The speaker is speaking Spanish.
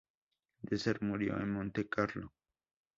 Dresser murió en Montecarlo.